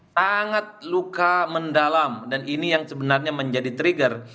sangat luka mendalam dan ini yang sebenarnya menjadi trigger